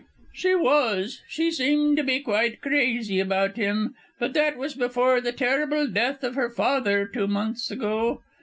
"She was; she seemed to be quite crazy about him, but that was before the terrible death of her father two months ago.